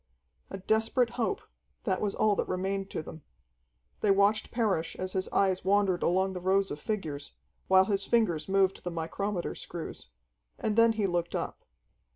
A desperate hope that was all that remained to them. They watched Parrish as his eyes wandered along the rows of figures, while his fingers moved the micrometer screws. And then he looked up.